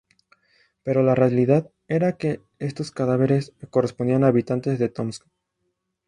Pero la realidad era que estos cadáveres correspondían a habitantes de Tomsk.